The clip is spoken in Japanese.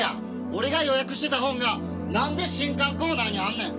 俺が予約してた本がなんで新刊コーナーにあんねん！？